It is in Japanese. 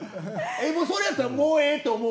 それやったらもうええって思う？